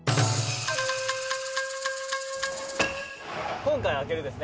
「今回、開けるですね